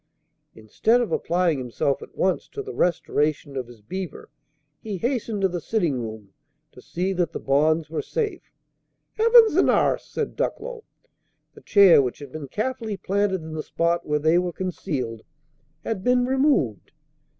Instead of applying himself at once to the restoration of his beaver, he hastened to the sitting room, to see that the bonds were safe. "Heavens and 'arth!" said Ducklow. The chair, which had been carefully planted in the spot where they were concealed, had been removed.